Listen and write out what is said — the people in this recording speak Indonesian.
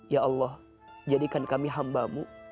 ya allah jadikan kami hambamu